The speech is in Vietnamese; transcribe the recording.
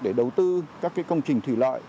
để đầu tư các công trình thủy lợi